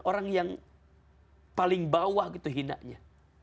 orang yang paling bawah gitu hinanya